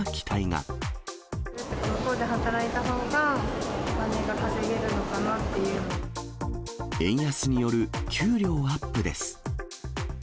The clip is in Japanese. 向こうで働いたほうがお金が円安による給料アップです。